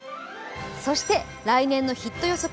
そして来年のヒット予測